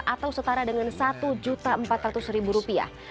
atau setara dengan satu empat ratus rupiah